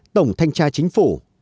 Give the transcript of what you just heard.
tổng thanh tra chính phủ